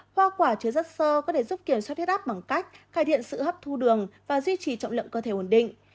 hoa quả chứa rất sơ có thể giúp kiểm soát huyết áp bằng cách cải thiện sự hấp thu đường và duy trì trọng lượng cơ thể ổn định